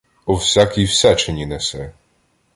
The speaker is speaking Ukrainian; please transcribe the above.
О всякій всячині несе.